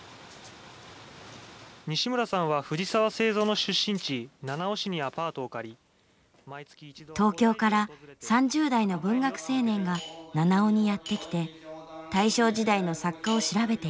西村さんは藤澤造の出身地七尾市にアパートを借り東京から３０代の文学青年が七尾にやって来て大正時代の作家を調べている。